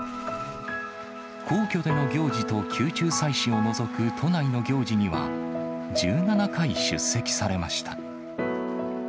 皇居での行事と宮中祭祀を除く都内の行事には、１７回出席されました。